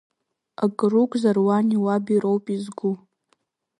Акыр угзар уани уаби роуп изгу.